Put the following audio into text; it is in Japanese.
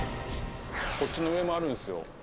こっちの上もあるんですよ。